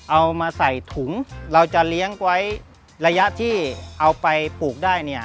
เอามาใส่ถุงเราจะเลี้ยงไว้ระยะที่เอาไปปลูกได้เนี่ย